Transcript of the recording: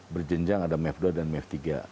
berjenjang ada mev dua dan mev tiga